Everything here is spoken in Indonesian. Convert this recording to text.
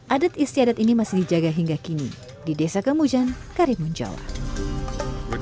adat istiadat ini masih dijaga hingga kini di desa kemujan karimun jawa